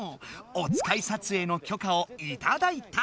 おつかい撮影の許可をいただいた。